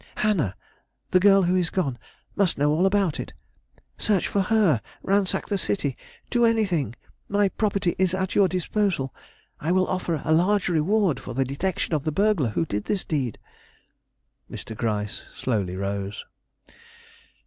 "Hannah the girl who is gone must know all about it. Search for her, ransack the city, do anything; my property is at your disposal. I will offer a large reward for the detection of the burglar who did this deed!" Mr. Gryce slowly rose.